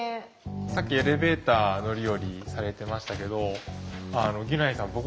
さっきエレベーター乗り降りされてましたけどギュナイさんはい。